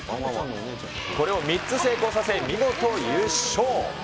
これを３つ成功させ、見事優勝。